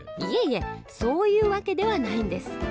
いえそういう訳ではないんです。